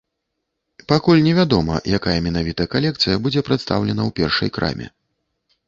Пакуль невядома, якая менавіта калекцыя будзе прадстаўлена ў першай краме.